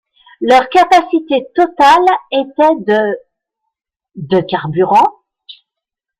Leur capacité totale était de de carburant.